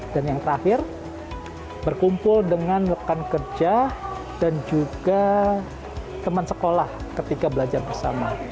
dan yang terakhir berkumpul dengan rekan kerja dan juga teman sekolah ketika belajar bersama